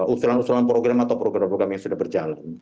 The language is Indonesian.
usulan usulan program atau program program yang sudah berjalan